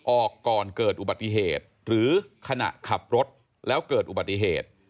ออกก่อนเกิดอุบัติเหตุหรือขณะขับรถแล้วเกิดอุบัติเหตุ